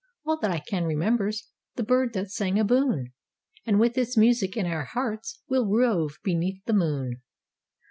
All that I can remember's the bird that sang aboon, And with its music in our hearts we'll rove beneath the moon.